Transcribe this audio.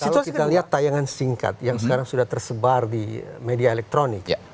kalau kita lihat tayangan singkat yang sekarang sudah tersebar di media elektronik